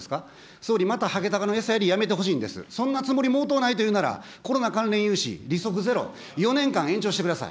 総理またハゲタカへの餌やりやめてほしいんですよ、そんなつもり毛頭ないというなら、コロナ関連融資、利息ゼロ、４年間、延長してください。